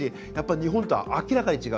日本と明らかに違う。